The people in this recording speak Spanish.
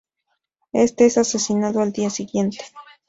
Este es asesinado al día siguiente.